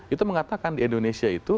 itu mengatakan di indonesia itu